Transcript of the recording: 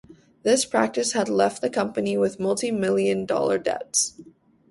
This practice had left the company with multimillion-dollar debts.